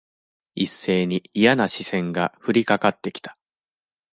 一斉にいやな視線が降りかかって来た。